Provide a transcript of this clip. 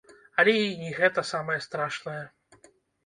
Але і не гэта самае страшнае!